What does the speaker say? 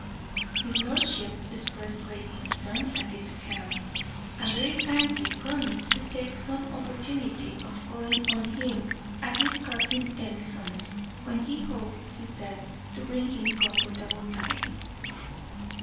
His lordship expressed great concern at this account, and very kindly promised to take some opportunity of calling on him at his cousin Ellison's, when he hoped, he said, to bring him comfortable tidings.